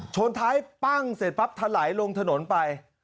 ชนท้ายปั้งเสร็จปั๊บถลายลงถนนไป